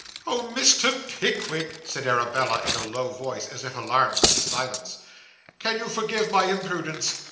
'Oh, Mr. Pickwick!' said Arabella, in a low voice, as if alarmed at the silence. 'Can you forgive my imprudence?